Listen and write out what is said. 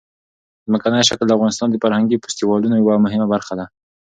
ځمکنی شکل د افغانستان د فرهنګي فستیوالونو یوه مهمه برخه ده.